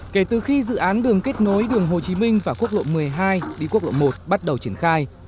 kể từ khi dự án đường kết nối đường hồ chí minh và quốc lộ một mươi hai đi quốc lộ một bắt đầu triển khai